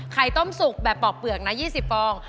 ไข่ต้มสุกแบบปอกเปลือกนะ๒๐ฟอง